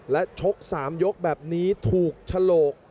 และชก๓ยกแบบนี้ถูกฉลก